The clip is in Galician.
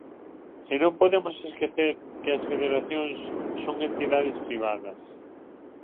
E non podemos esquecer que as federacións son entidades privadas.